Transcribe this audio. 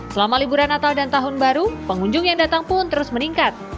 selama liburan natal dan tahun baru pengunjung yang datang pun terus meningkat